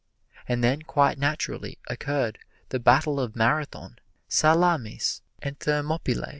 And then quite naturally occurred the battles of Marathon, Salamis and Thermopylæ.